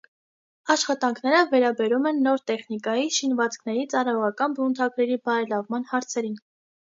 Աշխատանքները վերաբերում են նոր տեխնիկայի շինվածքների ծառայողական բնութագրերի բարելավման հարցերին։